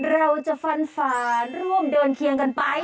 เราจะฟันฝ่าร่วมเดินเคียงกันไป